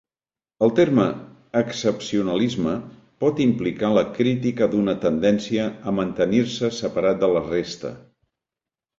El terme "excepcionalisme" pot implicar la crítica d'una tendència a mantenir-se separat de la resta.